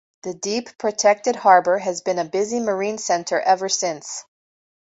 The deep, protected harbor has been a busy marine center ever since.